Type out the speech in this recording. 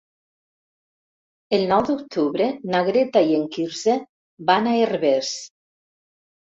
El nou d'octubre na Greta i en Quirze van a Herbers.